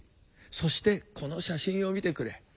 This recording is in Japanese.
そしてこの写真を見てくれ。